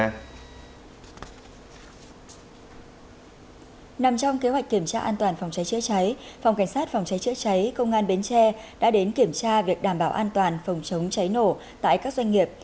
nằm trong kế hoạch kiểm tra an toàn phòng cháy chữa cháy phòng cảnh sát phòng cháy chữa cháy công an bến tre đã đến kiểm tra việc đảm bảo an toàn phòng chống cháy nổ tại các doanh nghiệp